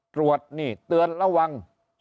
ตรวจนี่เตือนระวัง